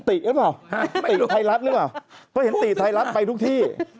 ติดรึเปล่าติดไทยรัฐนึกอ่ะเพราะเห็นติดไทยรัฐไปทุกที่